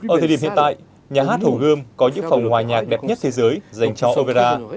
ở thời điểm hiện tại nhà hát hồ gươm có những phòng hòa nhạc đẹp nhất thế giới dành cho opera